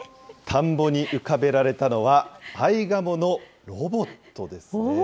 田んぼに浮かべられたのは、アイガモのロボットですね。